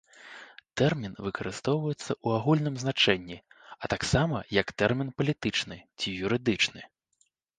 Тэрмін выкарыстоўваецца ў агульным значэнні, а таксама як тэрмін палітычны ці юрыдычны.